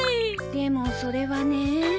でもそれはね。